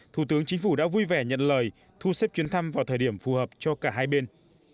thủ tướng chính phủ đã vui vẻ nhận lời thu xếp chuyến thăm vào thời điểm phù hợp cho cả hai bên